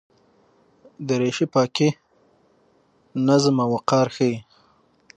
دریشي پاکي، نظم او وقار ښيي.